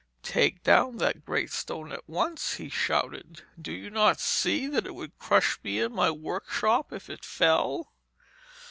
'Take down that great stone at once,' he shouted. 'Do you not see that it would crush me and my workshop if it fell?'